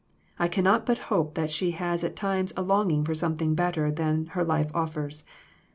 I cannot but hope that she has at times a longing for something better than her life offers.